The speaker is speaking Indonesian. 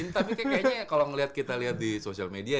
tapi kayaknya kalau kita lihat di social media ya